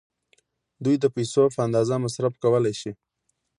دوی د پیسو په اندازه مصرف کولای شي.